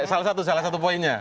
salah satu poinnya